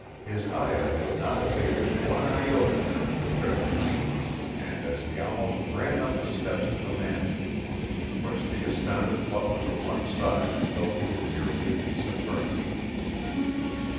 His ire had not abated one iota during the trip, either, and, as he almost ran up the steps to the mansion, he pushed the astounded butler to one side as though he were merely a piece of furniture.